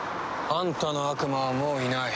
あんたの悪魔はもういない。